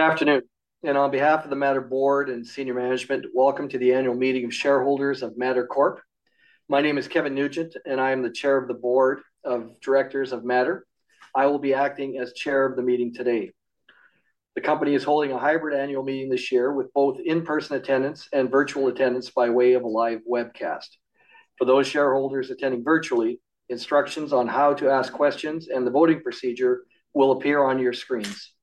Good afternoon, and on behalf of the Mattr Board and senior management, welcome to the annual meeting of shareholders of Mattr Corp. My name is Kevin Nugent, and I am the Chair of the Board of Directors of Mattr. I will be acting as Chair of the meeting today. The company is holding a hybrid annual meeting this year with both in-person attendance and virtual attendance by way of a live webcast. For those shareholders attending virtually, instructions on how to ask questions and the voting procedure will appear on your screens.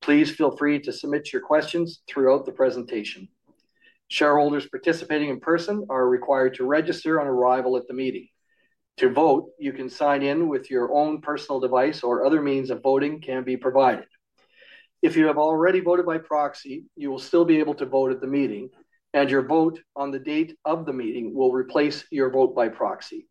Please feel free to submit your questions throughout the presentation. Shareholders participating in person are required to register on arrival at the meeting. To vote, you can sign in with your own personal device, or other means of voting can be provided. If you have already voted by proxy, you will still be able to vote at the meeting, and your vote on the date of the meeting will replace your vote by proxy.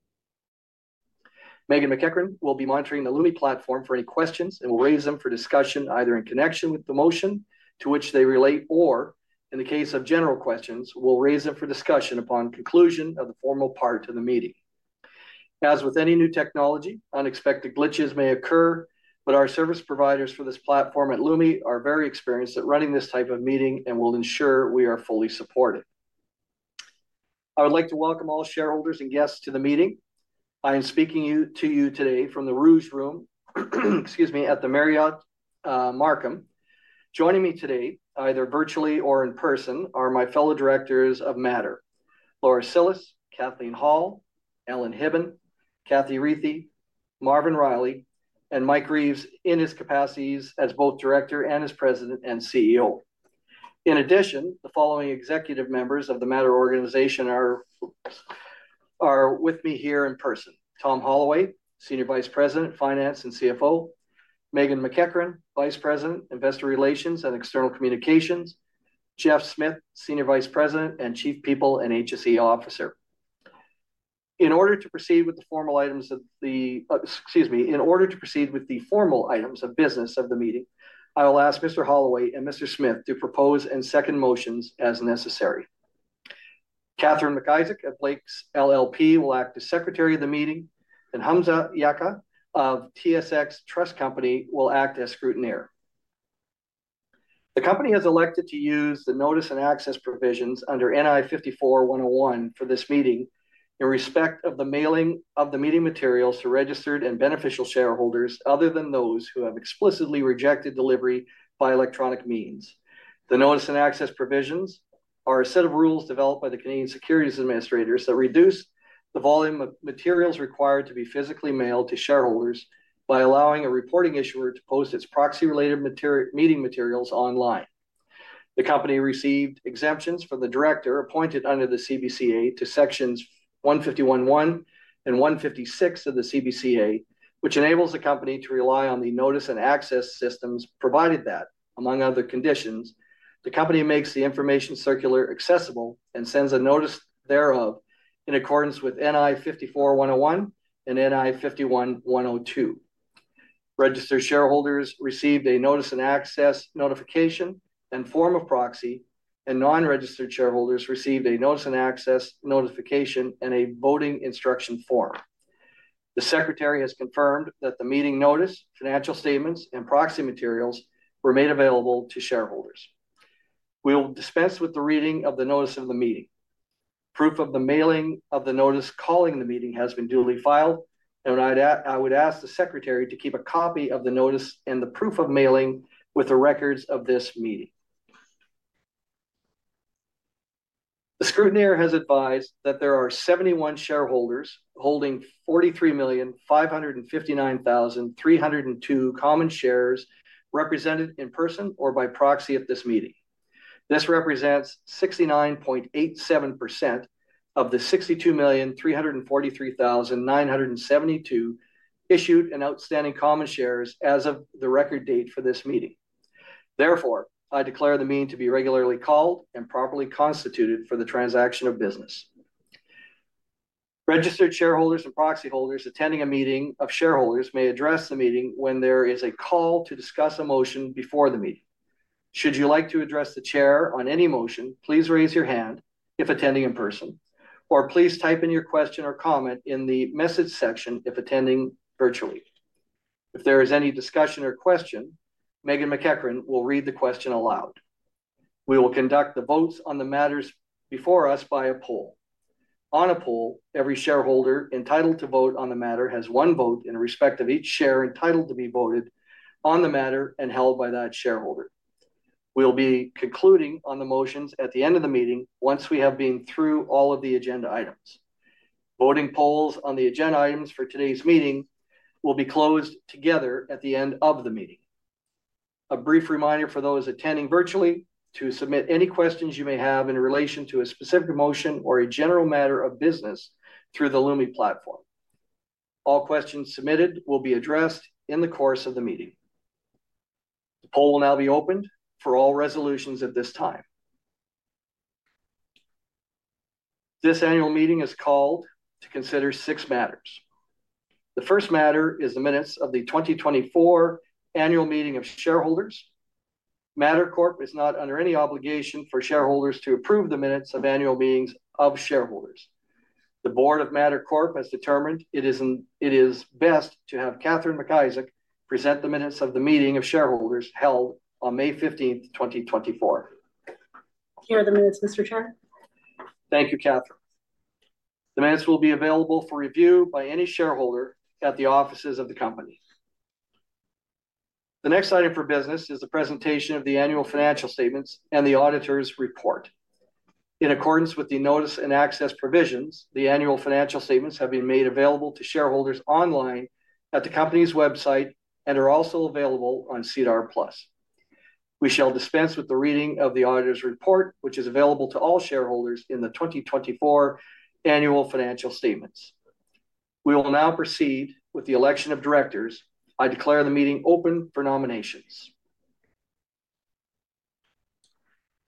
Meghan MacEachern will be monitoring the Lumi platform for any questions and will raise them for discussion either in connection with the motion to which they relate or, in the case of general questions, will raise them for discussion upon conclusion of the formal part of the meeting. As with any new technology, unexpected glitches may occur, but our service providers for this platform at Lumi are very experienced at running this type of meeting and will ensure we are fully supported. I would like to welcome all shareholders and guests to the meeting. I am speaking to you today from the Rouge room at the Marriott Markham. Joining me today, either virtually or in person, are my fellow directors of Mattr: Laura Cillis, Kathleen Hall, Alan Hibben, Katherine Rethy, Marvin Riley, and Mike Reeves in his capacities as both director and as president and CEO. In addition, the following executive members of the Mattr organization are with me here in person: Tom Holloway, Senior Vice President, Finance and CFO; Meghan MacEachern, Vice President, Investor Relations and External Communications; Geoff Smith, Senior Vice President and Chief People and HSE Officer. In order to proceed with the formal items of the—excuse me—in order to proceed with the formal items of business of the meeting, I will ask Mr. Holloway and Mr. Smith to propose and second motions as necessary. Catherine MacIsaac of Blakes LLP will act as secretary of the meeting, and Hamza Yaka of TSX Trust Company will act as scrutineer. The company has elected to use the notice and access provisions under NI 54-101 for this meeting in respect of the mailing of the meeting materials to registered and beneficial shareholders other than those who have explicitly rejected delivery by electronic means. The notice and access provisions are a set of rules developed by the Canadian Securities Administrators that reduce the volume of materials required to be physically mailed to shareholders by allowing a reporting issuer to post its proxy-related meeting materials online. The company received exemptions from the director appointed under the CBCA to sections 151(1) and 156 of the CBCA, which enables the company to rely on the notice and access systems provided that, among other conditions, the company makes the information circular accessible and sends a notice thereof in accordance with NI 54-101 and NI 51-102. Registered shareholders received a notice and access notification and form of proxy, and non-registered shareholders received a notice and access notification and a voting instruction form. The Secretary has confirmed that the meeting notice, financial statements, and proxy materials were made available to shareholders. We will dispense with the reading of the notice of the meeting. Proof of the mailing of the notice calling the meeting has been duly filed, and I would ask the Secretary to keep a copy of the notice and the proof of mailing with the records of this meeting. The scrutineer has advised that there are 71 shareholders holding 43,559,302 common shares represented in person or by proxy at this meeting. This represents 69.87% of the 62,343,972 issued and outstanding common shares as of the record date for this meeting. Therefore, I declare the meeting to be regularly called and properly constituted for the transaction of business. Registered shareholders and proxy holders attending a meeting of shareholders may address the meeting when there is a call to discuss a motion before the meeting. Should you like to address the chair on any motion, please raise your hand if attending in person, or please type in your question or comment in the message section if attending virtually. If there is any discussion or question, Meghan MacEachern will read the question aloud. We will conduct the votes on the matters before us by a poll. On a poll, every shareholder entitled to vote on the matter has one vote in respect of each share entitled to be voted on the matter and held by that shareholder. We'll be concluding on the motions at the end of the meeting once we have been through all of the agenda items. Voting polls on the agenda items for today's meeting will be closed together at the end of the meeting. A brief reminder for those attending virtually to submit any questions you may have in relation to a specific motion or a general matter of business through the Lumi Platform. All questions submitted will be addressed in the course of the meeting. The poll will now be opened for all resolutions at this time. This annual meeting is called to consider six matters. The first matter is the minutes of the 2024 annual meeting of shareholders. Mattr Corp is not under any obligation for shareholders to approve the minutes of annual meetings of shareholders. The board of Mattr Corp has determined it is best to have Catherine Maclsaac present the minutes of the meeting of shareholders held on May 15th, 2024. I hear the minutes, Mr. Chair. Thank you, Catherine. The minutes will be available for review by any shareholder at the offices of the company. The next item for business is the presentation of the annual financial statements and the auditor's report. In accordance with the Notice and Access Provisions, the annual financial statements have been made available to shareholders online at the company's website and are also available on SEDAR+. We shall dispense with the reading of the auditor's report, which is available to all shareholders in the 2024 annual financial statements. We will now proceed with the election of directors. I declare the meeting open for nominations.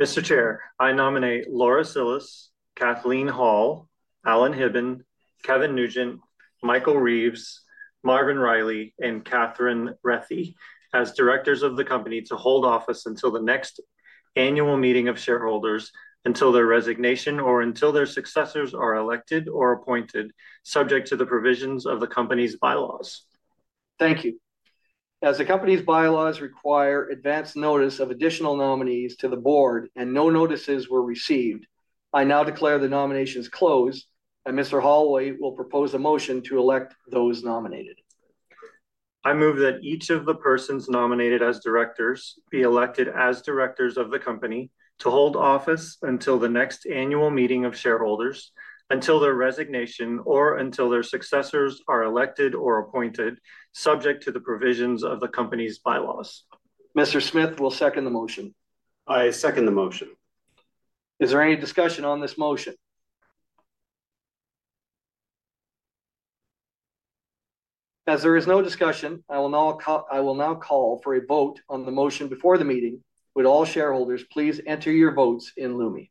Mr. Chair, I nominate Laura Cillas, Kathleen Hall, Alan Hibben, Kevin Nugent, Michael Reeves, Marvin Riley, and Katherine Rethy as directors of the company to hold office until the next annual meeting of shareholders until their resignation or until their successors are elected or appointed, subject to the provisions of the company's bylaws. Thank you. As the company's bylaws require advance notice of additional nominees to the board and no notices were received, I now declare the nominations closed and Mr. Holloway will propose a motion to elect those nominated. I move that each of the persons nominated as directors be elected as directors of the company to hold office until the next annual meeting of shareholders, until their resignation, or until their successors are elected or appointed, subject to the provisions of the company's bylaws. Mr. Smith will second the motion. I second the motion. Is there any discussion on this motion? As there is no discussion, I will now call for a vote on the motion before the meeting. Would all shareholders please enter your votes in Lumi?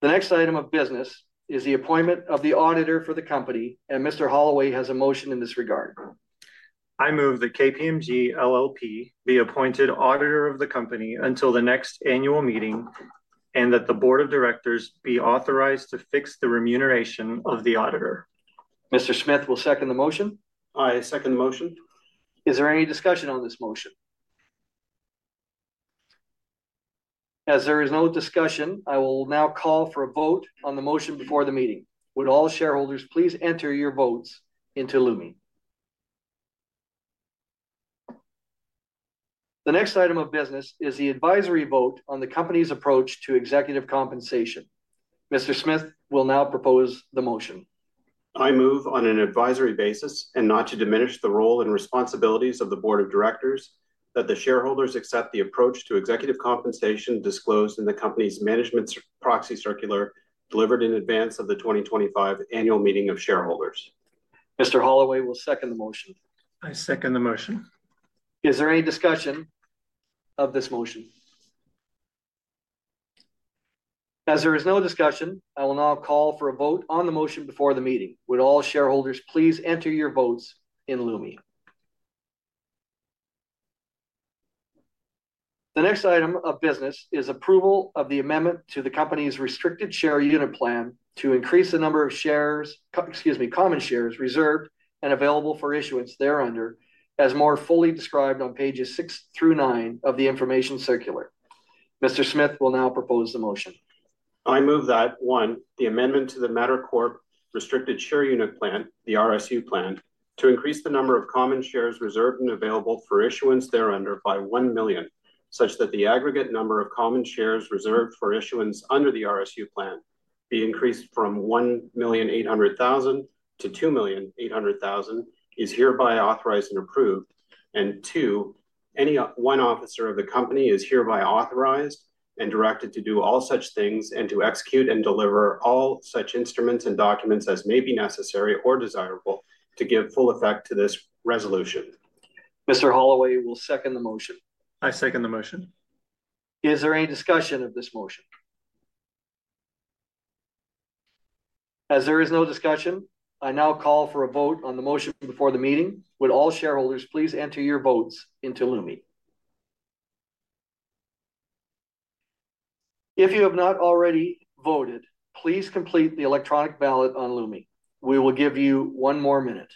The next item of business is the appointment of the auditor for the company, and Mr. Holloway has a motion in this regard. I move that KPMG LLP be appointed auditor of the company until the next annual meeting and that the Board of Directors be authorized to fix the remuneration of the auditor. Mr. Smith will second the motion. I second the motion. Is there any discussion on this motion? As there is no discussion, I will now call for a vote on the motion before the meeting. Would all shareholders please enter your votes into Lumi? The next item of business is the advisory vote on the company's approach to executive compensation. Mr. Smith will now propose the motion. I move on an advisory basis and not to diminish the role and responsibilities of the board of directors that the shareholders accept the approach to executive compensation disclosed in the company's management proxy circular delivered in advance of the 2025 annual meeting of shareholders. Mr. Holloway will second the motion. I second the motion. Is there any discussion of this motion? As there is no discussion, I will now call for a vote on the motion before the meeting. Would all shareholders please enter your votes in Lumi? The next item of business is approval of the amendment to the company's restricted share unit plan to increase the number of common shares reserved and available for issuance thereunder as more fully described on pages six through nine of the information circular. Mr. Smith will now propose the motion. I move that, one, the amendment to the Mattr Corp restricted share unit plan, the RSU plan, to increase the number of common shares reserved and available for issuance thereunder by 1 million, such that the aggregate number of common shares reserved for issuance under the RSU plan be increased from 1,800,000 to 2,800,000 is hereby authorized and approved. Two, any one officer of the company is hereby authorized and directed to do all such things and to execute and deliver all such instruments and documents as may be necessary or desirable to give full effect to this resolution. Mr. Holloway will second the motion. I second the motion. Is there any discussion of this motion? As there is no discussion, I now call for a vote on the motion before the meeting. Would all shareholders please enter your votes into Lumi? If you have not already voted, please complete the electronic ballot on Lumi. We will give you one more minute.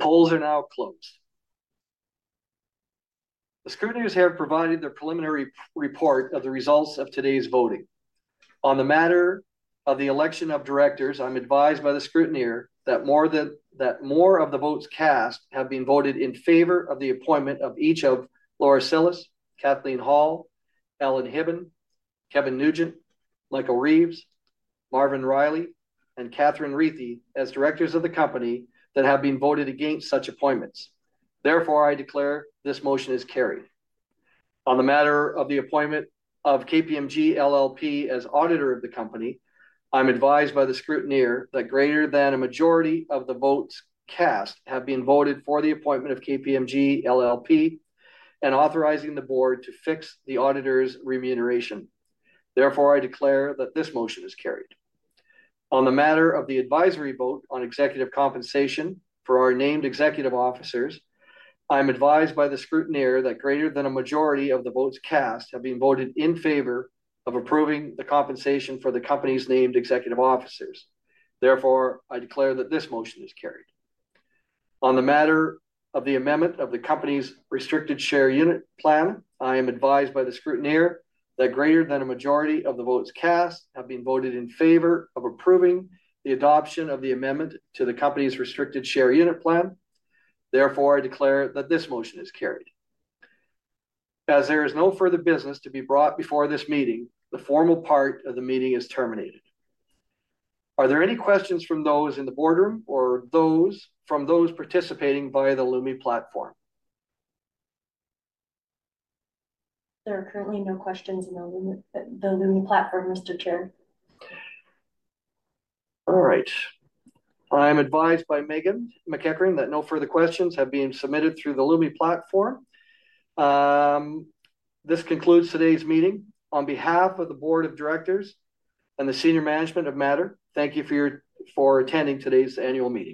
The polls are now closed. The scrutineers have provided their preliminary report of the results of today's voting. On the matter of the election of directors, I'm advised by the scrutineer that more of the votes cast have been voted in favor of the appointment of each of Laura Cillis, Kathleen Hall, Alan Hibben, Kevin Nugent, Michael Reeves, Marvin Riley, and Katherine Rethy as directors of the company than have been voted against such appointments. Therefore, I declare this motion is carried. On the matter of the appointment of KPMG LLP as auditor of the company, I'm advised by the scrutineer that greater than a majority of the votes cast have been voted for the appointment of KPMG LLP and authorizing the board to fix the auditor's remuneration. Therefore, I declare that this motion is carried. On the matter of the advisory vote on executive compensation for our named executive officers, I'm advised by the scrutineer that greater than a majority of the votes cast have been voted in favor of approving the compensation for the company's named executive officers. Therefore, I declare that this motion is carried. On the matter of the amendment of the company's restricted share unit plan, I am advised by the scrutineer that greater than a majority of the votes cast have been voted in favor of approving the adoption of the amendment to the company's restricted share unit plan. Therefore, I declare that this motion is carried. As there is no further business to be brought before this meeting, the formal part of the meeting is terminated. Are there any questions from those in the boardroom or from those participating via the Lumi Platform? There are currently no questions in the Lumi Platform, Mr. Chair. All right. I'm advised by Meghan MacEachern that no further questions have been submitted through the Lumi Platform. This concludes today's meeting. On behalf of the Board of Directors and the senior management of Mattr, thank you for attending today's annual meeting.